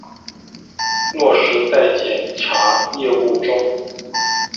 落实在检察业务中